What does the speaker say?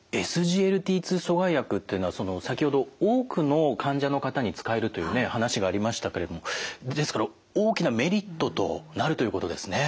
２阻害薬っていうのは先ほど多くの患者の方に使えるという話がありましたけれどもですから大きなメリットとなるということですね。